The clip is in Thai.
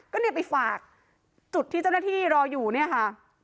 ก็เนี่ยไปฝากจุดที่เจ้าหน้าที่รออยู่เนี่ยค่ะ